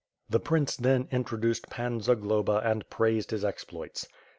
The prince then introduced Pan Zag loba and praised his exploits.